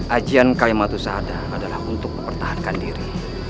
ajian kalimat usaha adalah untuk mempertahankan diri